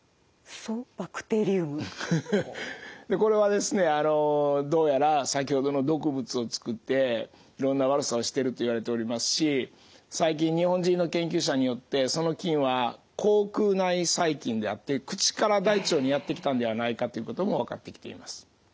これはどうやら先ほどの毒物を作っていろんな悪さをしてるといわれておりますし最近日本人の研究者によってその菌は口腔内細菌であって口から大腸にやって来たんではないかということも分かってきています。